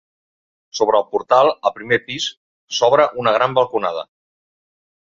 Sobre el portal, al primer pis, s'obre una gran balconada.